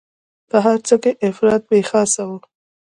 په هر څه کې افراطیت یې خاصه وه.